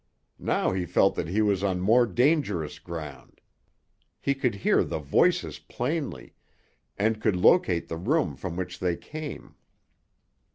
Now he felt that he was on more dangerous ground. He could hear the voices plainly, and could locate the room from which they came.